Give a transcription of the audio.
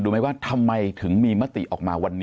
ดูไม่ว่าทำไมถึงมีมติออกมา